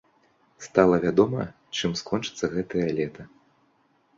Стала вядома, чым скончыцца гэтае лета!